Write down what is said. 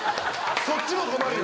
そっちも困るよ。